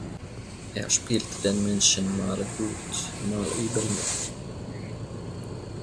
Er spielt den Menschen mal gut, mal übel mit.